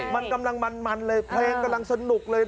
มันกำลังมันเลยเพลงกำลังสนุกเลย